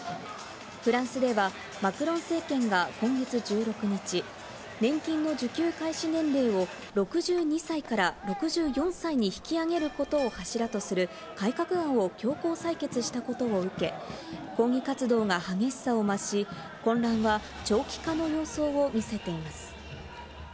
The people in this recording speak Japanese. フランスではマクロン政権が今月１６日、年金の受給開始年齢を６２歳から６４歳に引き上げることを柱とする改革案を強行採決したことを受け抗議活動が激しさを増し、混乱は長期化の様相を見せています。